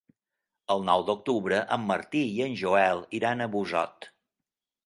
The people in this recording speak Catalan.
El nou d'octubre en Martí i en Joel iran a Busot.